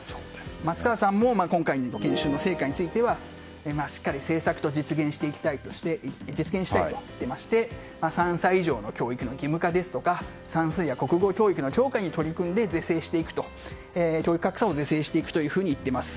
松川さんも今回の研修の成果についてはしっかり政策として実現したいと言っていまして３歳以上の教育の義務化ですとか算数や国語教育の強化に取り組んで教育格差を是正していくと言っています。